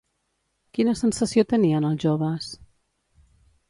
Quina sensació tenien els joves?